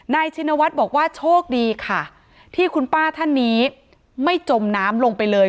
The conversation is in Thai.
ชินวัฒน์บอกว่าโชคดีค่ะที่คุณป้าท่านนี้ไม่จมน้ำลงไปเลย